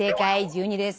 １２です。